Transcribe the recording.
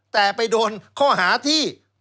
แต่ไปโดนข้อหาที่